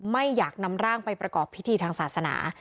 ไม่อยากนำร่างไปประกอบพิธีทางศาสนา